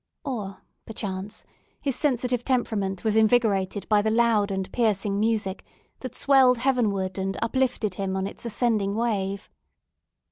Or perchance his sensitive temperament was invigorated by the loud and piercing music that swelled heavenward, and uplifted him on its ascending wave.